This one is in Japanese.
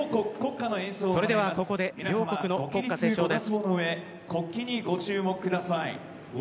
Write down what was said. それではここで両国の国歌斉唱です。